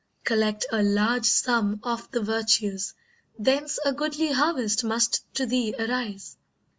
Collect a large sum of the virtues; thence A goodly harvest must to thee arise.